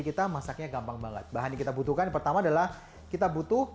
kita masaknya gampang banget bahan yang kita butuhkan pertama adalah kita butuh